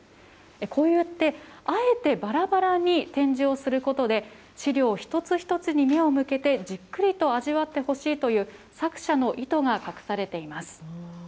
こうやってあえてばらばらに展示をすることで、資料一つ一つに目を向けて、じっくりと味わってほしいという、作者の意図が隠されています。